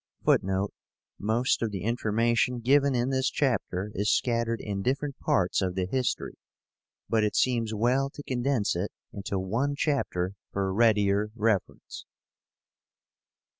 (Footnote: Most of the information given in this chapter is scattered in different parts of the history; but it seems well to condense it into one chapter for readier reference.)